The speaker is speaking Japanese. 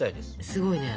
すごいね。